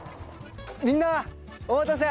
みんなお待たせ！